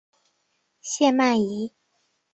谢曼怡。